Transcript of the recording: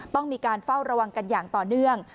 ต้องมีการเฝ้าระวังกันอย่างต่อเนื่อง